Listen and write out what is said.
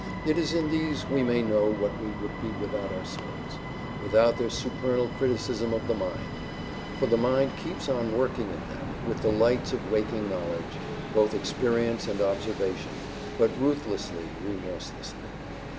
It is in these we may know what we would be without our souls, without their supernal criticism of the mind; for the mind keeps on working in them, with the lights of waking knowledge, both experience and observation, but ruthlessly, remorselessly.